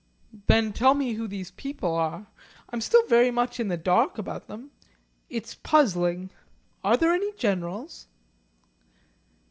"Then tell me who these people are. I'm still very much in the dark about them. It's puzzling. Are there any Generals?"